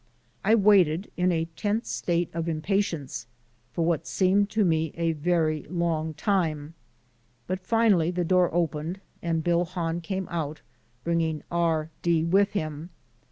I waited, in a tense state of impatience, for what seemed to me a very long time; but finally the door opened and Bill Hahn came out bringing R D himself with him.